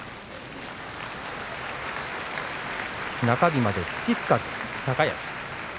中日まで土つかず高安。